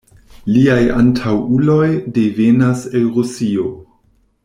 Liaj antaŭuloj devenas el Rusio.